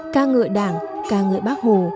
ca ngợi đảng ca ngợi bác hồ